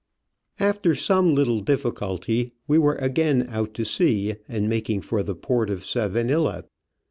After some little difficulty, we were again out to sea and making for the port of Savanilla.